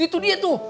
itu dia tuh